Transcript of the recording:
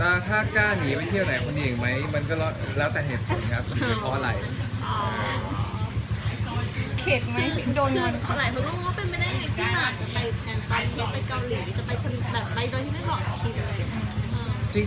อันนี้บ้าง